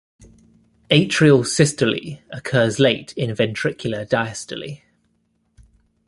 Atrial systole occurs late in ventricular diastole.